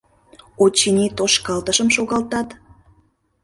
— Очыни, тошкалтышым шогалтат».